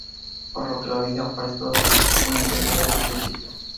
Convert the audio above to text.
Por lo que la vida para estos fue muy dura en un principio.